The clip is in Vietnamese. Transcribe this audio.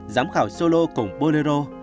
giám khảo solo cùng bolero